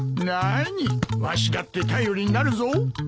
なぁにわしだって頼りになるぞ。